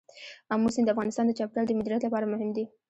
آمو سیند د افغانستان د چاپیریال د مدیریت لپاره مهم دي.